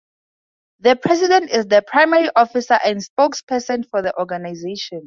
The President is the primary officer and spokesperson for the organization.